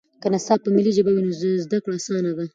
که نصاب په ملي ژبه وي نو زده کړه اسانه ده.